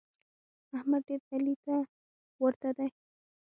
احمد ډېر علي ته ورته دی.